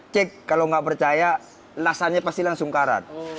cek kalau nggak percaya lasannya pasti langsung karat